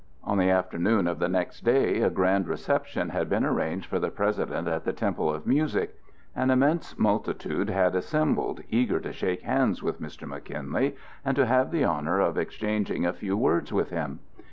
On the afternoon of the next day a grand reception had been arranged for the President at the Temple of Music. An immense multitude had assembled, eager to shake hands with Mr. McKinley and to have the honor of exchanging a few words with him.